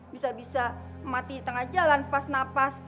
bisa bisa mati di tengah jalan pas napas